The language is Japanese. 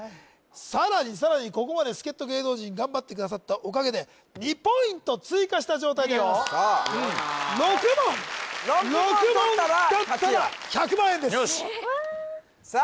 さらにさらにここまで助っ人芸能人頑張ってくださったおかげで２ポイント追加した状態でやれますそう６問６問とったら勝ちよよしわあ